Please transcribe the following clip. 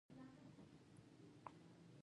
د زیتون ونه ډیر عمر کوي